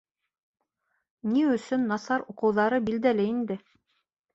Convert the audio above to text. — Ни өсөн насар уҡыуҙары билдәле инде.